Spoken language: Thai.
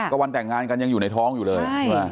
ก็วันแต่งงานกันยังอยู่ในท้องอยู่เลย